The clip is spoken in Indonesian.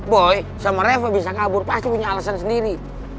boy sama reva bisa kabur pasti punya alasan sendiri